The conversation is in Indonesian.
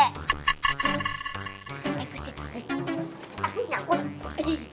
eh siapa ini